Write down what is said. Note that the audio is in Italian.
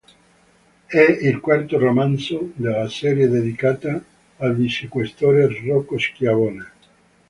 È il quarto romanzo della serie dedicata al vicequestore Rocco Schiavone.